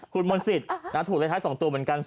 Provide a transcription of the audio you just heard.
คุณมนตร์สิตถูกรายใช้๒ตัวเหมือนกัน๐๗